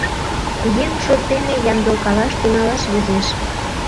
Еҥ шот дене ямдылкалаш тӱҥалаш возеш...